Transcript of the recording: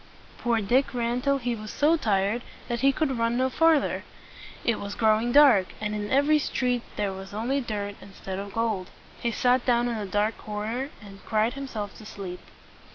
Poor Dick ran till he was so tired that he could run no farther. It was growing dark, and in every street there was only dirt instead of gold. He sat down in a dark corner, and cried himself to sleep.